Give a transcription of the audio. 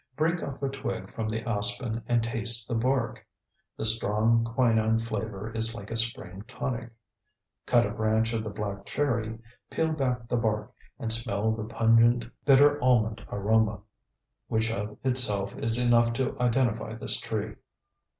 Break off a twig from the aspen and taste the bark. The strong quinine flavor is like a spring tonic. Cut a branch of the black cherry, peel back the bark, and smell the pungent, bitter almond aroma, which of itself is enough to identify this tree.